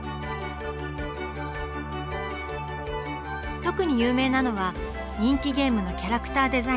特に有名なのは人気ゲームのキャラクターデザイン。